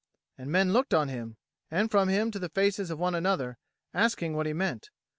And men looked on him, and from him to the faces of one another, asking what he meant.